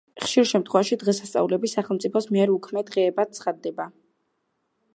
ხშირ შემთხვევაში, დღესასწაულები სახელმწიფოს მიერ უქმე დღეებად ცხადდება.